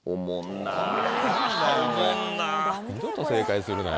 二度と正解するなよ